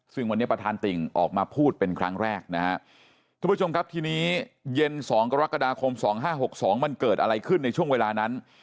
ซึ่งวันนี้ประธานติ่งออกมาพูดเป็นครั้งแรกนะฮะทุกผู้ชมครับทีนี้เย็นสองกรกฎาคมสองห้าหกสองมันเกิดอะไรขึ้นในช่วงเวลานั้น